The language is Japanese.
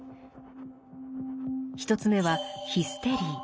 １つ目は「ヒステリー」。